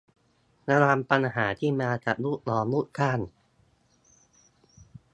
ระวังปัญหาที่มากับลูกน้องลูกจ้าง